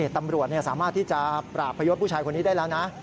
ตำรวจสามารถที่จะปราบพยศผู้ชายคนนี้ได้แล้วนะ